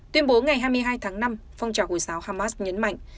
tuyên bố ngày hai mươi hai tháng năm phong trào hồi giáo hamas nhấn mạnh